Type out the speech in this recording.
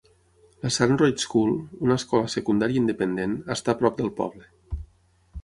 La Sandroyd School, una escola secundària independent, està a prop del poble.